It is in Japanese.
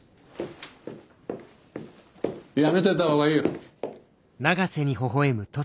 やめといた方がいいよ。